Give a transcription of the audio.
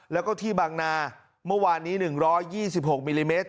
แล้วก็ที่บางนาเมื่อวานนี้๑๒๖มิลลิเมตร